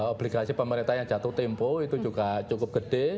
obligasi pemerintah yang jatuh tempo itu juga cukup gede